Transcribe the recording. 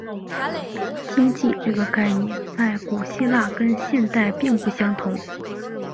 经济这个概念在古希腊跟现代并不相同。